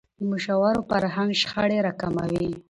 د مشورو فرهنګ شخړې راکموي